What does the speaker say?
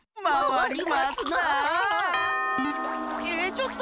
ちょっと！